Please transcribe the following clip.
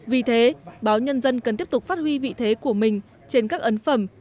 vì thế báo nhân dân cần tiếp tục phát huy vị thế của mình trên các ấn phẩm